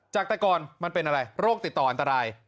จากแต่ก่อนมันเป็นอะไรโรคติดต่ออันตราย